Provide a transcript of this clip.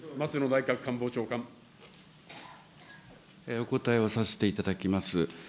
内閣官房長官お答えをさせていただきます。